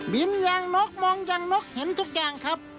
อย่างนกมองอย่างนกเห็นทุกอย่างครับ